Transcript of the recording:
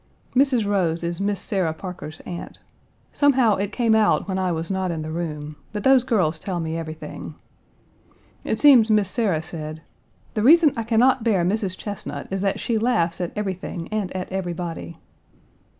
Mrs. Rose is Miss Sarah Parker's aunt. Somehow it came out when I was not in the room, but those girls tell me everything. It seems Miss Sarah said: "The reason I can not bear Mrs. Chesnut is that she laughs at everything and at everybody."